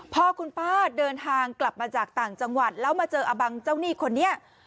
พอคุณป้าเดินทางกลับมาจากต่างจังหวัดแล้วมาเจออบังเจ้าหนี้คนนี้